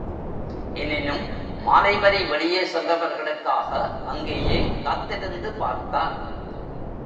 எனினும், மாலை வரை வெளியே சென்றவர்களுக்காக அங்கேயே காத்திருந்து பார்த்தான்.